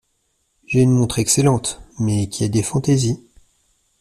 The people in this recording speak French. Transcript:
J’ai une montre excellente ; mais qui a des fantaisies.